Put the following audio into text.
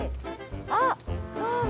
あっどうも。